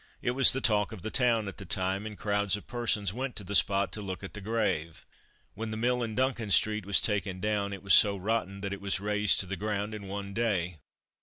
It was the talk of the town at the time, and crowds of persons went to the spot to look at the grave. When the mill in Duncan street was taken down it was so rotten that it was razed to the ground in one day.